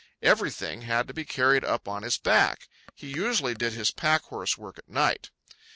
Everything had to be carried up on his back. He usually did his packhorse work at night.